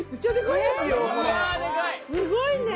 すごいね。